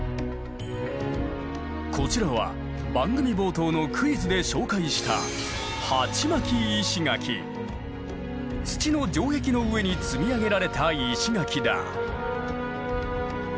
こちらは番組冒頭のクイズで紹介した土の城壁の上に積み上げられた石垣だ。